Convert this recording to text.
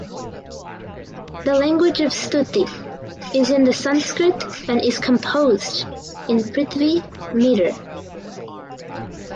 The language of Stuti is in the Sanskrit and is composed in Prithvi metre.